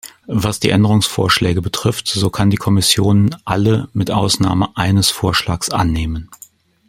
Was die Änderungsvorschläge betrifft, so kann die Kommission alle mit Ausnahme eines Vorschlags annehmen.